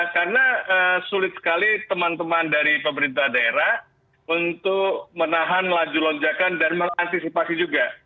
karena sulit sekali teman teman dari pemerintah daerah untuk menahan laju lonjakan dan mengantisipasi juga